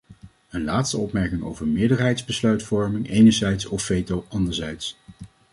Een laatste opmerking over meerderheidsbesluitvorming enerzijds of veto anderzijds.